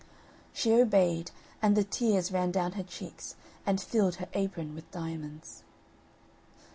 She obeyed, and the tears ran down her cheeks, and filled her apron with diamonds.